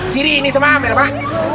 sini ini sama amel mak